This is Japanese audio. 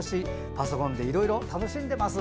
パソコンでいろいろ楽しんでます。